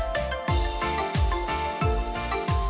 jadi kita berkonsumsi dengan masyarakat indonesia